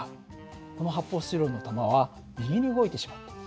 この発泡スチロールの玉は右に動いてしまった。